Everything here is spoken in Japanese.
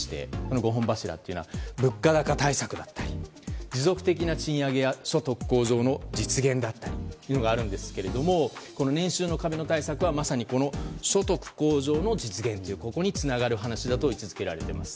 ５本柱というのは物価高対策だったり持続的な賃上げや所得向上の実現があるんですが年収の壁の対策は所得向上の実現というここにつながる話だと位置づけられています。